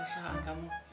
dari pintu biasa kamu